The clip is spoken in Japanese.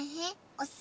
おす